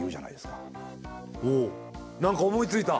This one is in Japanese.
おっ何か思いついた？